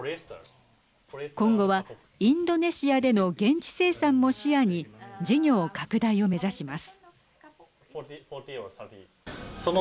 今後はインドネシアでの現地生産も視野に事業拡大を目指します。